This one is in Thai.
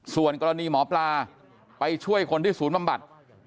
ส่วนกรณีหมอปลาไปช่วยคนที่ศูนย์บำบัด